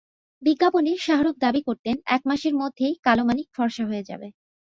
বিজ্ঞাপনে শাহরুখ দাবি করতেন, এক মাসের মধ্যেই কালোমানিক ফরসা হয়ে যাবে।